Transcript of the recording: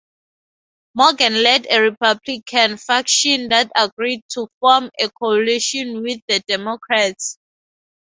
Morgan led a Republican faction that agreed to form a coalition with the Democrats.